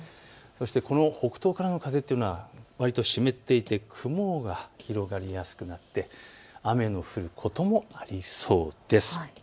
この北東からの風というのは湿っていて雲が広がりやすくなって雨の降ることもありそうです。